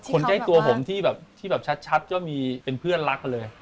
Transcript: คนใกล้ตัวผมที่แบบชัดก็มีเป็นเพื่อนรักเลย